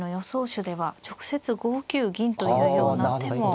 手では直接５九銀というような手も。